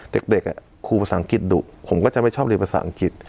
เด็กครูภาษาอังกฤษดุผมก็จะไม่ชอบเรียนภาษาอังกฤษ